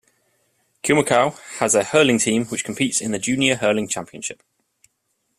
Kilmacow has a hurling team which competes in the Junior Hurling Championship.